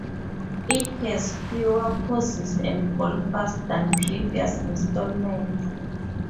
It has fewer courses and golfers than previous installments.